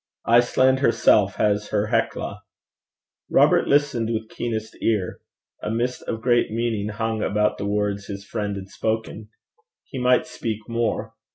Iceland herself has her Hecla. Robert listened with keenest ear. A mist of great meaning hung about the words his friend had spoken. He might speak more.